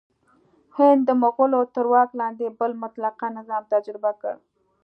هند د مغولو تر واک لاندې بل مطلقه نظام تجربه کړ.